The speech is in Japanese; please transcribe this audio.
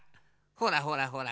ほらほらほら。